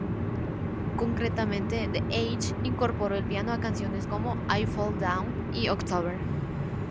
Concretamente, The Edge incorporó el piano a canciones como "I Fall Down" y "October".